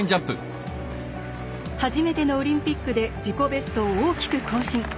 初めてのオリンピックで自己ベストを大きく更新。